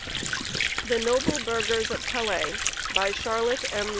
THE NOBLE BURGHERS OF CALAIS By Charlotte M.